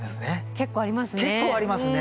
結構ありますね。